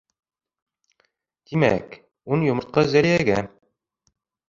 Тимәк, ун йомортҡа Зәлиәгә.